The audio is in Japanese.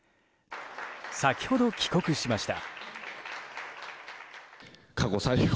先ほど帰国しました。